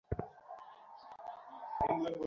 না, এটা ঠিকঠাক ঢুকছে না।